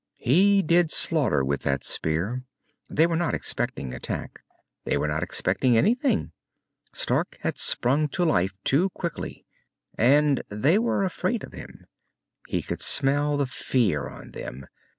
He did slaughter with that spear. They were not expecting attack. They were not expecting anything. Stark had sprung to life too quickly. And they were afraid of him. He could smell the fear on them.